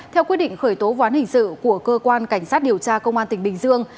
theo quyết định khởi tố ván hình sự của cơ quan cảnh sát điều tra công an tỉnh bình dương